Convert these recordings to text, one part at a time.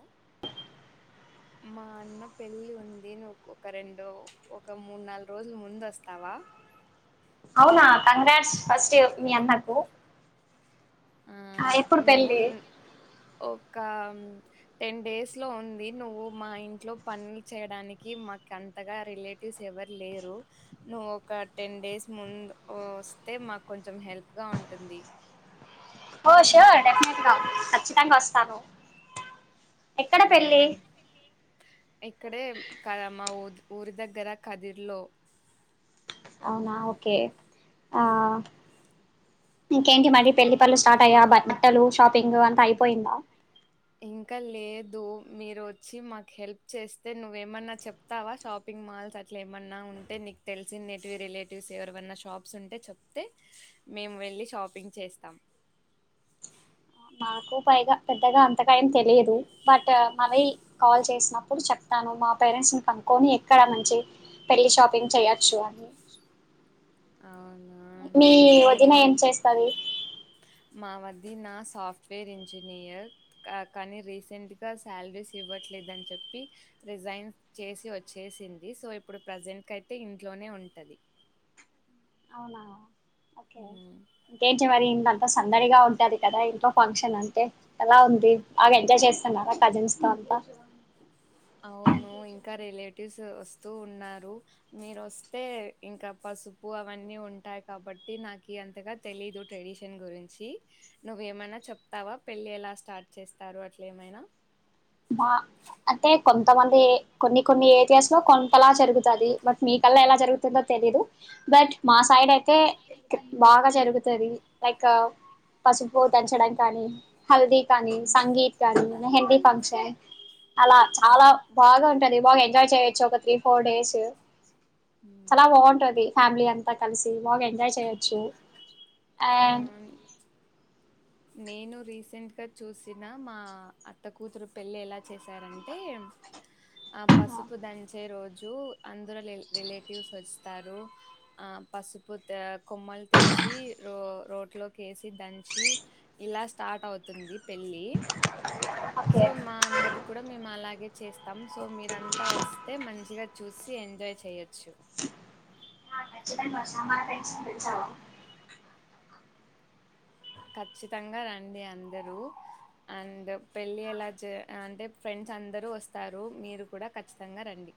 ఆ మా అన్న పెళ్ళి ఉంది ను ఒక రెండో ఒక మూడు నాలుగు రోజుల ముందోస్తావా అవునా కంగ్రాడ్స్ ఫస్టేయే మీ అన్నకు ఆ ఎప్పుడు మేము పెళ్లి ఒక టెన్ డేస్ లో ఉంది నువ్వు మా ఇంట్లో పనులు చేయడానికి మాకంతగా రిలేటివ్స్ ఎవరు లేరు నువ్వు ఒక టెన్ డేస్ ముందు వస్తే మాక్కొచెం హెల్ప్ గా ఉంటుంది ఓష్ ఓ డెఫనెట్ గా కచ్చితంగా వ తను ఎక్కడ ఆ పెళ్ళి ఇక్కడే కదా మా ఊ ఊరి దగ్గర కదిర్లో అవునా ఓకే ఆ ఇంకేంటి మరి పెళ్లి పళ్ళు స్టార్ట్ యా బ బట్టలు షాపింగ్ అంతా అయిపోయిందా ఇంకా లేదు మీరు ఒచ్చి మాకు హెల్ప్ చేస్తే నువ్వేమన్నా చెప్తావా షాపింగ్ మాల్స్ అట్లా ఏమన్నా ఉంటే నీకు తెలిసి నేటివి రిలేటివ్స్ ఎవరన్నా షాప్స్ ఉంటే చెప్తే మేము వెళ్ళి షాపింగ్ చేస్తాం మాకు పైగా పెద్దగా అంతగా ఏం తెలియదు బట్ మళ్ళీ కాల్ చేసినప్పుడు చెప్తాను మా పేరెంట్స్ని కనుకొని ఎక్కడ మంచి పెళ్ళి షాపింగ్ చెయ్యచ్చు అని అవునా! మీ వదిన ఏమో ఏం చేస్తాది మా వదినా సాఫ్ట్వేర్ ఇంజినియర్ కా కానీ రీసెంట్ గా సాలరీస్ ఇవ్వట్లేదని చెప్పి రిజైన్ చేసి వచ్చేసింది సో ఇప్పుడు ప్రజెంట్కయితే ఇంట్లోనే ఉంటది అవునా ఓకే హ్మ్. ఇంకేంటి మరి ఇంద సందడిగా ఉంటది కదా ఇంట్లో ఫంక్షన్ అంటే ఎలా ఉంది బాగా ఎంజాయ్ చేస్తున్నారా కజిన్స్ తో అంతా ఆవును ఇంకా రిలేటివ్స్ అస్తూ ఉన్నారు మీరు వస్తే ఇంకా పసుపు అవన్నీ ఉంటాయి కాబట్టి నాకి అంతగా తెలీదు ట్రెడిషన్ గురించి నువ్వేమైనా చెప్తావా పెళ్ళి ఎలా స్టార్ట్ చేస్తారు అట్ల ఏమైనా మా అంటే కొంతమంది కొన్ని కొన్ని ఏరియాస్ లో కొంతలా జరుగుతుది బట్ మీ కల్లా ఎలా జరుగుతుందో తెలీయదు బట్ మా సైడ్ అయితే బాగా జరుగుతుంది లైక్ పసుపూ దంచడం కానీ హల్ది కానీ హ్మ్. సంగీత్ కానీ మెహందీ ఫంక్షన్ అ అలా చాలా బాగా ఉంటుంది బాగా ఎం ఎంజాయ్ చేయోచ్చు ఒక త్రీ ఫోర్ డేసు చలా బాగుంటది ఫ్యామిలీ అంతా కలిసి బాగా ఎంజాయ్ చేయొచ్చు అండ్ ఊమ్ నేను రీసెంట్ గా చూసిన మా అత్త కూతురు పెళ్లి ఎలా చేసారంటే ఆ పసుపు దంచే రోజ్ జు అందరు రే రిలేటివ్స్ వస్తారు ఆ పసుపు త కొమ్మలు తెచ్చి రో రోట్ లోకి వేసి దంచి ఇలా స్టార్ట్ అవుతుంది పెళ్ళి ఓకే సో మా అన్నది కూడా మేము అలాగే చేస్తాం సో మీరంతా వస్తే మంచిగా చూసి ఎంజాయ్ చేయొచ్చు కచ్చితంగా వషమ టన్షన్ తెచవ ఖచ్చితంగా రండి అందరూ అండ్ పెళ్ళి ఎలా చే అంటే ఫ్రెండ్స్ అందరు వస్తారు మీరు కూడా ఖచ్చితంగా రండి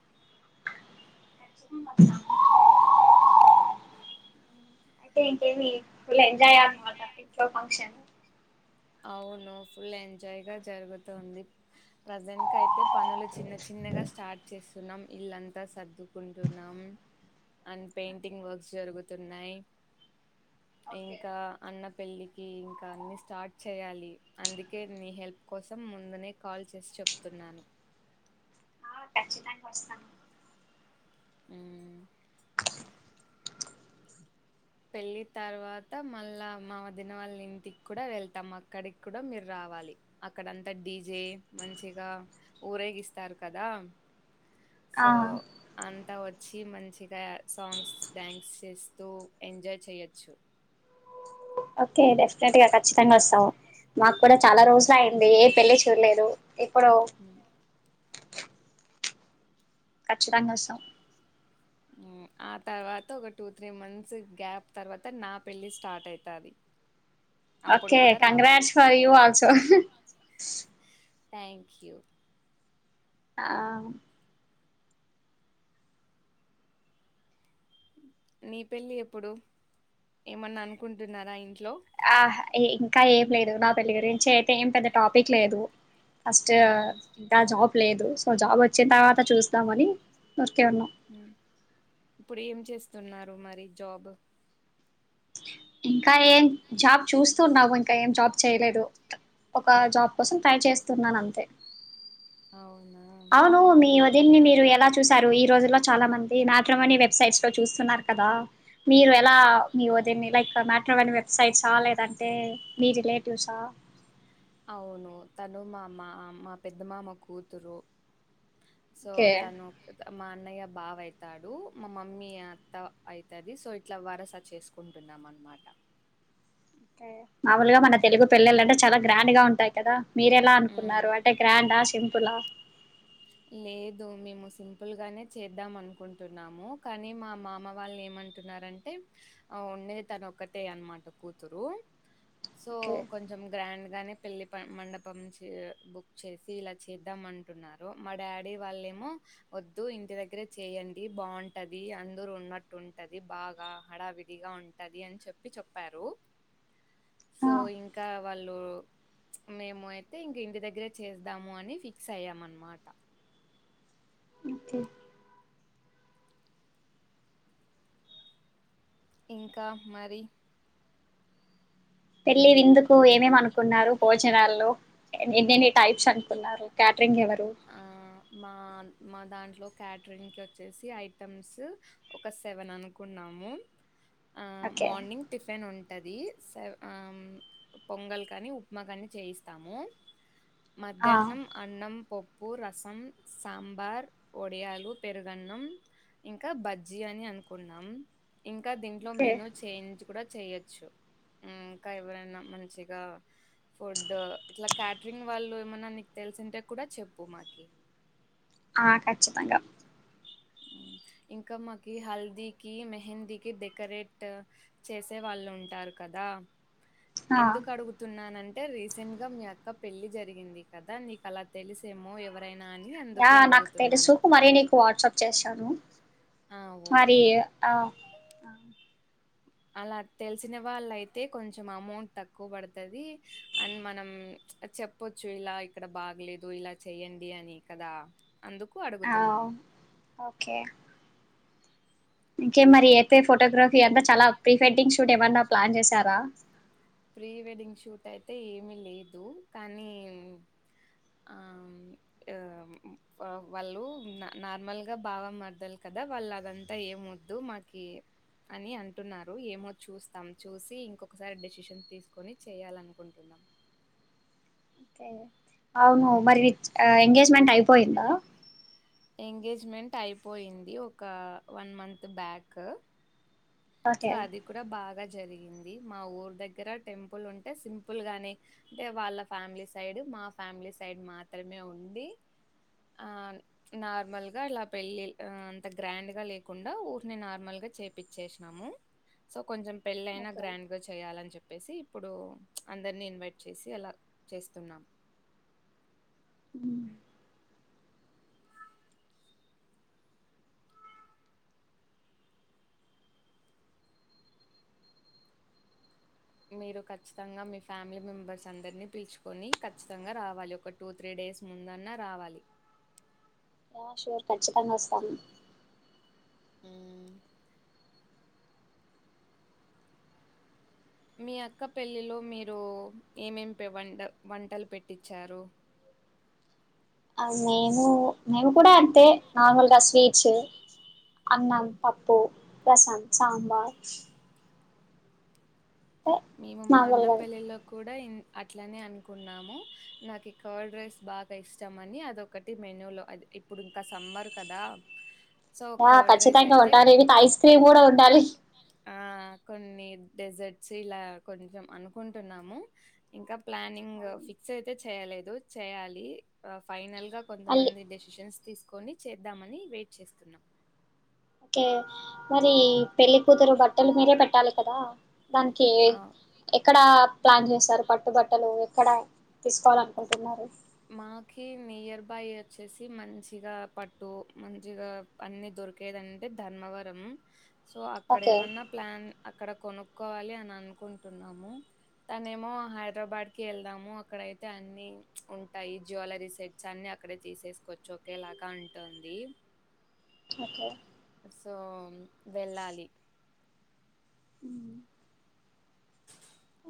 ఖచ్చితంగా అయితే ఇంకేమి ఫుల్ ఎంజాయ్ అన మాట ఇంట్లో ఫంక్షన్ అవును ఫుల్ ఎంజాయ్ గా జరుగుతుంది ప్రజెంట్ క అయితే పనులు చిన్న చిన్నగా స్టార్ట్ చేస్ న్నాం ఇల్లంతా సర్దుకుంటున్నాం అండ్ పెయింటింగ్ వర్క్స్ జరుగుతున్నాయి ఓకే ఇంకా అన్న పెళ్ళికి ఇంకా అన్ని స్టార్ట్ చేయాలి అందుకే నీ హెల్ప్ కోసం ముందునే కాల్ చేసి చెప్తున్నాను ఆ ఖచ్చితంగా వస్తాను ఊమ్ పెళ్ళి తర్వాత మళ్ళా మా వదిన వాళ్ళ ఇంటికి కూడా వెళ్తాం అక్కడికి కూడా మీరు రావాలి అక్కడంతా డీజే మంచిగా ఊరేగిస్తారు కదా ఆ సో అంతా వచ్ చ్చి మంచిగా సాంగ్స్ డ్యాన్స్ చేస్తూ ఎంజాయ్ చేయొచ్చు ఓకే డెఫనేట్గా ఖ చ్చితంగా వస్తాము మాకు కూడా చాలా ఉమ్. రోజులు అయింది ఏ పెళ్లి చూడలేదు ఇప్పుడు ఉమ్. కచ్చితంగా వొస్తాం ఉమ్ ఆ తర్వాత ఒక టూ త్రీ మంత్స్ గ్యాప్ తర్వాత నా పెళ్లి స్టార్ట్ అయితది అప్పుడు ఓకే కూడా రావాలి congrats for you also thank you హమ్ నీ పెళ్లి ఎప్పుడు ఏమన్నా అనుకుంటున్నారా ఇంట్లో ఆహ్ ఏయ్ ఇంకా ఏం లేదు నా పెళ్లి గురించి అయితే ఏం పెద్ద టాపిక్ లేదు ఫస్ట్ మ్మ్ ఇంకా జాబ్ లేదు సో జాబ్ వచ్చిన తర్వాత చూస్తామని ఊరికే ఉన్నాం ఉమ్ ఇప్పుడు ఏం చెస్ స్తున్నారు మరి జాబు ఇంకా ఏం జాబ్ చూస్తున్నావు ఇంకా ఏం జాబ్ చేయలేదు, ఒక జాబ్ కోసం ట్రై చేస్తున్నాను అంతే అవునా అవును మీ వదిన్ని మీరు ఎలా చూశారు ఈరోజుల్లో చాలామంది మ్యాట్రిమోనీ వెబ్సైట్స్ లో చూస్తున్నారు కదా, మీరు ఎలా మీ వదిన్ని లైక్ మ్యాట్రిమోనీ వెబ్సైట్సా, లేదంటే మీ రిలేటివ్స్ ఆ అవును తను మామ మా పెద్ద మామ కూతురు సో ఓకే తను కదా మా అన్నయ్య బావ అయితాడు, మా మమ్మీ అత్త అయితది, సో ఇట్లా వరుస చేసుకుంటున్నాం అన్నమాట మామూలుగా మన తెలుగు పెళ్ళిళ్ళంటే చాలా గ్రాండ్గా ఉంటాయి కదా మీరేలా మ్మ్ అనుకున్నారు అంటే గ్రాండా సిం పులా లేదు, మేము సింపుల్ గానే చేద్దాం అనుకుంటున్నాము, కానీ మా మామ వాళ్ళు ఏమంటున్నారంటే ఉండేది తను ఒక్కతే అనమాట కూతురు సో ఓకే కొంచెం గ్రాండ్ గానే పెళ్లి పన్ మండపం చే బుక్ చేసి ఇలా చేద్దామంటున్నా రు మా డాడీ వాళ్ళేమో, వద్దు ఇంటి దగ్గరే చేయండి బాగుంటది అందరు ఉన్నట్టు ఉంటది బాగా హడావిడిగా ఉంటది అని చెప్పి చెప్పారు సో ఆ ఇంకా వాళ్ళు మేము అయితే ఇంక ఇంటి దగ్గరే చేద్దాము అని ఫిక్స్ అయ్యాం అనమాట్ ట [unintelligible] ఇంకా మరి పెళ్ళి విందుకు ఏమేమి అనుకున్నారు భోజనాల్లో, ఎన్నెన్ని టైప్స్ అనుకున్నారు క్యాట్ ఆ మా మా దాంట్లో క్యాటరింగ్కి వచ్చేసి ఐటమ్స్ ఒక సెవెన్ అనుకున్నాము ఆ ఓకే మార్నింగ్ టిఫిన్ ఉం టది సేవ్ అం పొంగల్ కాని ఉప్మా కాని చేయిస్తాము ఆ మధ్యాహ్నం అన్నం పో ప్పు, రసం, సాంబార్, వడియాలు, పెరుగన్నం ఇంకా బజ్జీ అని అనుకున్నాం ఇంకా దీంట్లో ఓకే మెను చేంజ్ కూడా చెయొచ్చు ఇంకా ఎవరైనా మంచిగా ఫుడ్ ఇట్లా క్యాటరింగ్ వాళ్ళు ఏమన్నా నీకు తెలిసుంటే కూడా చెప్పు మాకి ఆ ఖచ్చితంగా ఇంకా మాకి హల్దీకి మెహందీకి డెకరేట్ చేసే వాళ్ళు ఉంటారు కదా ఆ ఎందుకు అడుగుతున్నానం రీసెంట్ గా మీ అక్క పెళ్లి జరిగింది కదా నీక్ అలా తెలిసేమో ఎవర్ ఆ నాకు తెలుసు మరీ నీకు వాట్సప్ చేస్ ఆ మరి ఓకే ఆ అలా తెలిసిన వాళ్ళ అయితే కొంచెం అమౌంట్ తక్కువ పడుతదీ, అండ్ మనం ప్చ్ చెప్పొచ్చు ఇలా ఇక్కడ బాగలేదు ఇలా చెయ్యండి అని కదా అందుకు అడుగుతున్నాను. ఒకే ఇంకేం మరి అయితే ఫోటోగ్రఫీ అంతా చాలా ప్రీ వెడ్డింగ్ షూట్ ఏమన్నా ప్లాన్ చేశారా. ప్రీ వెడ్డింగ్ షూట్ అయితే ఏమి లేదూ, కానీ ఆహ్ ఆ వాళ్ళూ నార్మల్గా బావ మార్దల్ కదా వాళ్ అదంతా ఏమ్ వద్దు మాకీ, అని అంటున్నారు ఏమో చూస్తాం చూసి ఇంకొకసారి డెసిషన్ తీసుకొని చెయ్యాలనుకుంటున్నాం. ఒకే. అవును మరి ఎంగేజ్మెంట్ అయిపోయిందా. ఎంగేజ్మెంట్ అయిపోయింది ఒకా one month back. So okay అది కూడ బాగా జరిగిం ది. మా ఊరూ దగ్గర టెంపుల్ ఉంటే సింపుల్ గానే, అంటే వాళ్ళ ఫ్యామిలీ సైడ్ మా ఫ్యామిలీ సైడ్ మాత్రమే ఉండీ, ఆ నార్మల్ గా ఇలా పెళ్ళి ఆ అంత గ్రాండ్ గా లేకుండా ఊర్హనే నార్మల్ గా చెప్పిచేశ్ నమూ. సో కొంచం పెళ్ళైనా ఓకే గ్రాండ్ గా చేయాలని చెప్ ప్పేసి ఇప్పుడూ అందరినీ ఇన్వైట్ చేసి అలా చేస్తున్నాం. మీరు ఖచ్చితంగా మీ ఫ్యామిలీ మెంబర్స్ అందరినీ పిల్చుకొనీ ఖచ్చితంగా రావాలి ఒక టూ త్రీ డేస్ ముందన్నా రావాలి. యా ష్యూర్ ఖచ్చితంగా వస్తాము. ఉమ్ మీ అక్క పెళ్ళిలో మీరూ ఏమేమి పె వంట వంటల్ పెట్టిచ్చారూ. మేమూ, మేము కూడా అంతే నార్మల్ గా స్వీట్ స, అన్నం, మ్మ్. పప్పు రసం, సాంబార్ అంటే మేము మా అన్న నార్మల్గా పెళ్ళిలో కూడా ఇం అట్లనే అనుకున్నాము. నాకి కార్డ్ రైస్ బాగా ఇష్టం అనీ అదొకటి మెన్యూలో అద్ ఇప్పుడు ఇంకా సమ్మర్ కదా సో ఆ కర్డ్ రైస్ ఖచ్చితంగా అయితే ఉండాలి విత్ ఐస్ క్రీమ్ కూడా ఉండాలి. డెసర్ట్స్ ఇలా కొంచం అనుకుంటున్నామూ. ఇంకా ఆ, ప్లానింగ్ ఫిక్స్ అయితే చెయ్యలేదు చెయ్యాలి, ఆ ఫైనల్ గ మళ్ళీ కొంతమంది డెసిషన్స్ తీసుకొని చేద్దామని వెయిట్ చేస్తున్నాం. ఒకే మరీ పెళ్లికూతురు బట్టలు మీరే పెట్టాలి కదా. దానికీ ఆ ఎక్కడా ప్లాన్ చేస్తారు పట్టుబట్టలూ ఎక్కడా తీసుకోవాల అనుకుంటున్నారు. మాకి నియర్ బై వచ్చేసి మంచిగా పట్టు మంచిగా అన్నీ దొరికేదంటే ధర్మవరం. సో అక్కడ ఓకే ఏమన్నా ప్లాన్. అక్కడ కొనుక్కోవాలి అని అనుకుంటున్నాము. తనేమో హైదరాబాడ్ కి ఎళ్దాము అక్కడయితే అన్నీ ప్చ్ ఉం టాయి జ్యువలరీ సెట్స్ అన్ని అక్కడే తీసేసుకోవచ్చు ఒకేలాగా అంటుందీ. ఓకే సో వెళ్లాలి హ్మ్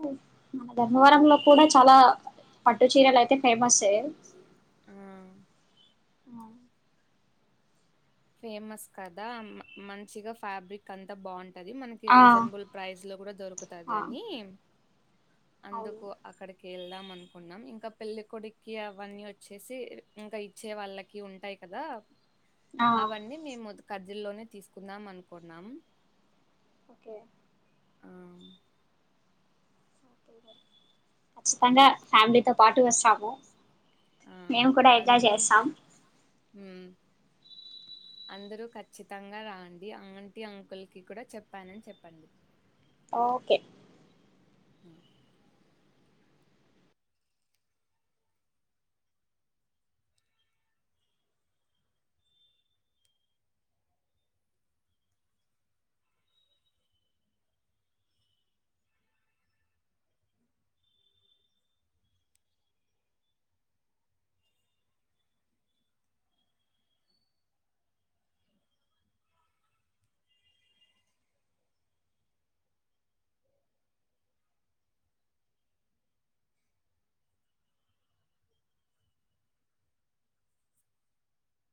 హు మన ధర్మవరంలో కూడా చాలా పట్టు చీరలు అయితే ఫేమస్ తే ఆ ఆ ఫేమస్ కదా మ మంచిగా ఫ్రాబ్రిక్ అంతా బాగుం టది మనకి ఆ రీజనబుల్ ప్రైస్ లో కూడా దొరుకుతాది ఆ అని అవును అందుకు అక్కడికి ఎళ్దాం అనుకున్నాం ఇంకా పెళ్లి కొడుక్కి అవన్నీ వచ్చేసి ఇంకా ఇచ్చే వాళ్ళకి ఉంటాయి కదా ఆ అవన్నీ మేమొద్దు కజ్జిల్లోనే తీసుకుందాం అనుకున్నాం ఓకే ఆ! కచ్చితంగా ఫ్యామిలీతో పాటు వస్తము ఆ! మేము కూడా ఇట్లా అందరూ చేస్తాం హ్మ్ అందరూ ఖచ్చితంగా రాండి ఆంటీ అంకులకి కూడా చెప్పానని చెప్పండి ఓకే హ్మ్